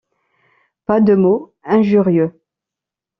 Pas de mots injurieux.